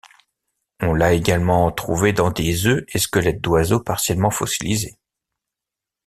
On l'a également trouvée dans des œufs et squelettes d'oiseaux partiellement fossilisés.